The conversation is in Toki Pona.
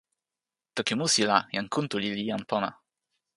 toki musi la, jan Kuntuli li jan pona.